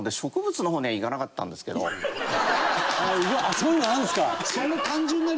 そういうのあるんですか！